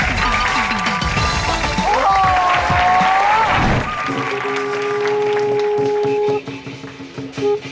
อยู่ด้วย